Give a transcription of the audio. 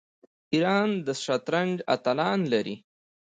ایران د شطرنج اتلان لري.